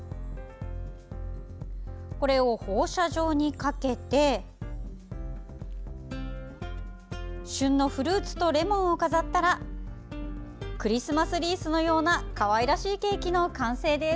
これを放射状にかけて旬のフルーツとレモンを飾ったらクリスマスリースのようなかわいらしいケーキの完成です。